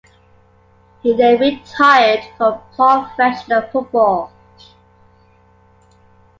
He then retired from professional football.